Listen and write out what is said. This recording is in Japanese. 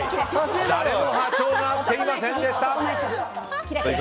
誰も波長が合っていませんでした。